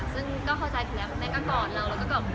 ซึ่งก็เข้าใจคุณแม่ก็ก่อนเราแล้วก็กับคุณแม่ค่ะ